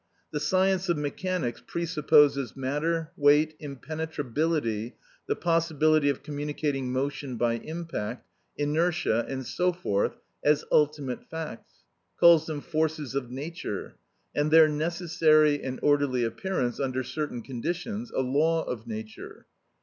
The science of mechanics presupposes matter, weight, impenetrability, the possibility of communicating motion by impact, inertia and so forth as ultimate facts, calls them forces of nature, and their necessary and orderly appearance under certain conditions a law of nature.